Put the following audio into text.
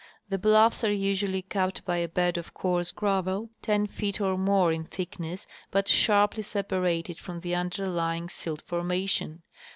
The bluffs are usually capped by a bed of coarse gravel, ten feet or more in thickness, but sharply separated from the underlying silt formation.